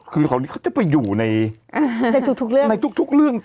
คือคราวนี้เขาจะไปอยู่ในทุกเรื่อง